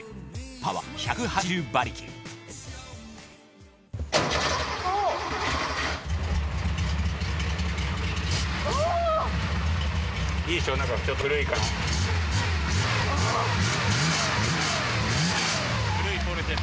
パワーは１８０馬力おっ！